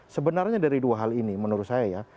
sebenarnya dari dua hal ini menurut saya ya